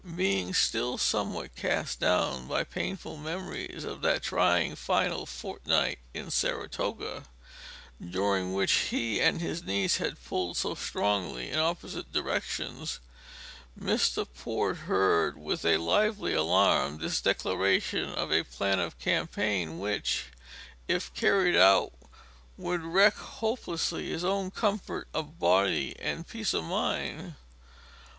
Being still somewhat cast down by painful memories of that trying final fortnight in Saratoga, during which he and his niece had pulled so strongly in opposite directions, Mr. Port heard with a lively alarm this declaration of a plan of campaign which, if carried out, would wreck hopelessly his own comfort of body and peace of mind.